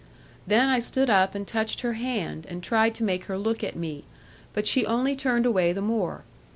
Then I stood up and touched her hand, and tried to make her look at me; but she only turned away the more.